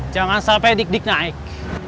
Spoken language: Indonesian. jangan sampai dik dik naik